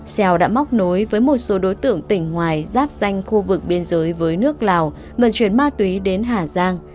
xeo đã móc nối với một số đối tượng tỉnh ngoài giáp danh khu vực biên giới với nước lào vận chuyển ma túy đến hà giang